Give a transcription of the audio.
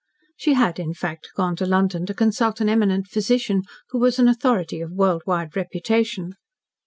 She had, in fact, gone to London to consult an eminent physician, who was an authority of world wide reputation.